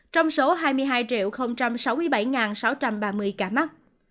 trong số hai mươi hai sáu mươi bảy sáu trăm ba mươi ca mắc